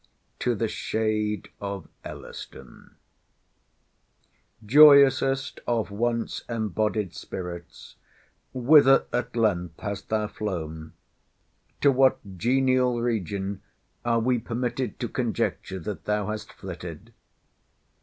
TO THE SHADE OF ELLISTON Joyousest of once embodied spirits, whither at length hast thou flown? to what genial region are we permitted to conjecture that thou has flitted.